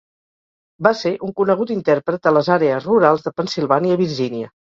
Va ser un conegut intèrpret a les àrees rurals de Pennsilvània i Virgínia.